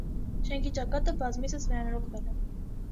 Շենքի ճակատը բազմիցս վերանորոգվել է։